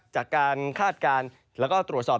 จากการคาดการณ์และตัวสอบ